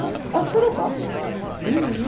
あううん。